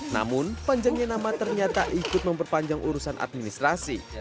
namun panjangnya nama ternyata ikut memperpanjang urusan administrasi